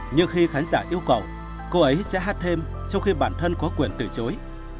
nhưng khi khán giả yêu cầu cô ấy sẽ hát thêm trong khi bản thân có quyền từ chối